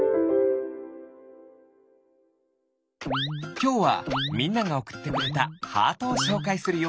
きょうはみんながおくってくれたハートをしょうかいするよ。